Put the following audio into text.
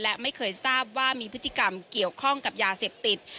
และไม่เคยทราบว่ามีพฤติกรรมเกี่ยวข้องกับยาเสพติด